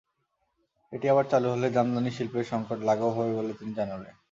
এটি আবার চালু হলে জামদানিশিল্পের সংকট লাঘব হবে বলে তিনি জানালেন।